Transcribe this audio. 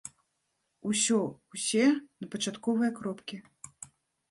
Усё усе на пачатковыя кропкі.